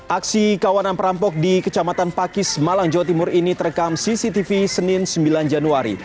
aksi kawanan perampok di kecamatan pakis malang jawa timur ini terekam cctv senin sembilan januari